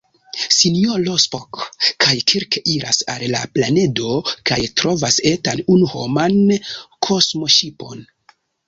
Sinjoro Spock kaj Kirk iras al la planedo kaj trovas etan unu-homan kosmoŝipon.